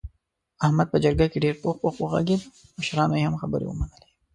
احمد په جرګه کې ډېر پوخ پوخ و غږېدا مشرانو یې هم خبرې ومنلې.